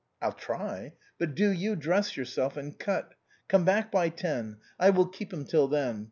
" I'll try ; but do you dress yourself, and cut. Come back by ten ; I will keep him till then.